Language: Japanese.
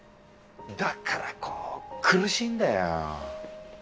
だからこう苦しいんだよ。